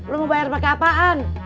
lo mau bayar pakai apaan